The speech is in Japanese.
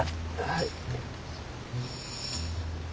はい。